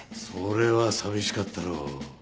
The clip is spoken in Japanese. それは寂しかったろう。